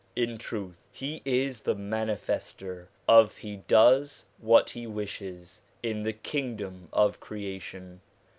In truth he is the Manifestor of " He does what He wishes" in the kingdom of creation.